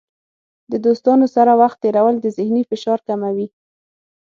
د دوستانو سره وخت تیرول د ذهني فشار کموي.